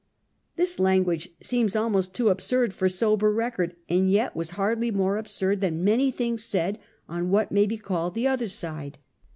This language seems almost too absurd for sober record, and yet was hardly more absurd than many things said on what may be called the other side.